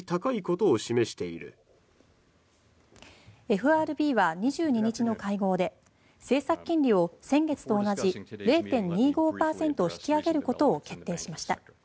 ＦＲＢは２２日の会合で政策金利を先月と同じ０．２５％引き上げることを決定しました。